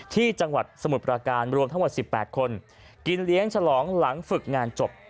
ที่จังหวัดสมุทรประการรวมทั้งหมด๑๘คนกินเลี้ยงฉลองหลังฝึกงานจบ